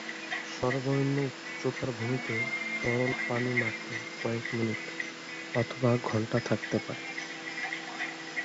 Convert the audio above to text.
সর্বনিম্ন উচ্চতার ভূমিতে তরল পানি মাত্র কয়েক মিনিট অথবা ঘণ্টা থাকতে পারে।